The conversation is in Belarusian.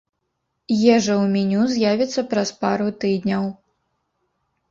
Ежа ў меню з'явіцца праз пару тыдняў.